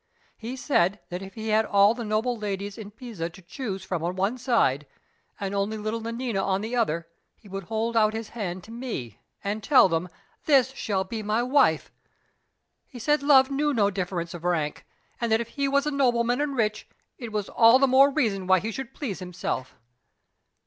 He said that if he had all the noble ladies in Pisa to choose from on one side, and only little Nanina on the other, he would hold out his hand to me, and tell them, 'This shall be my wife.' He said love knew no difference of rank; and that if he was a nobleman and rich, it was all the more reason why he should please himself.